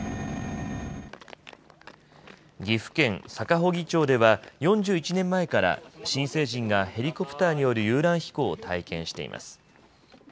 岐阜県坂祝町では４１年前から新成人がヘリコプターによる遊覧飛行を体験しています。